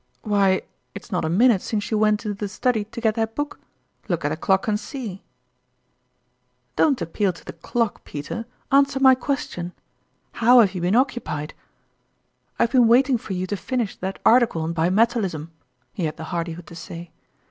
" Why, it's not a minute since you went into 128 tourmalin's ime Cheques. tlie study to get that book ; look at the clock and see !"" Don't appeal to the clock, Peter answer my question. How have you been occupied ?"" I've been waiting for you to finish that article on bi metalism," he had the hardihood to say.